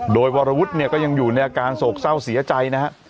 โดยวรวุฒิเนี่ยก็ยังอยู่ในอาการโศกเศร้าเสียใจนะฮะ